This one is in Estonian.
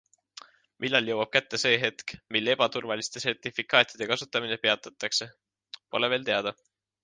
Millal jõuab kätte see hetk, mil ebaturvaliste sertifikaatide kasutamine peatatakse, pole veel teada.